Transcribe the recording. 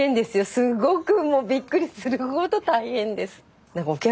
すごくもうびっくりするほど大変です。